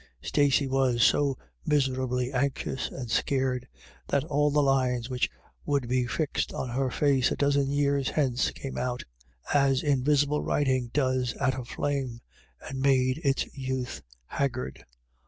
Stacey was so miserably anxious and scared, that all the lines which would be fixed on her face a dozen years hence came out, as invisible writing does at a flame, and made its youth haggard.